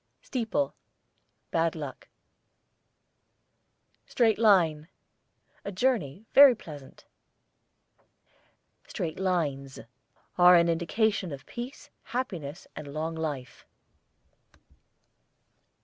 STEEPLE, bad luck. STRAIGHT LINE, a journey, very pleasant. STRAIGHT LINES are an indication of peace, happiness, and long life.